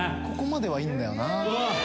ここまではいいんだよな。